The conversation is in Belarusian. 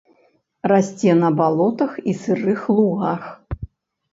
Расце на балотах і сырых лугах.